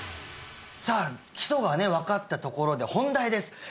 さあ基礎がね分かったところで本題です